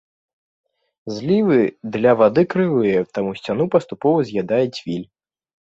Злівы для вады крывыя, таму сцяну паступова з'ядае цвіль.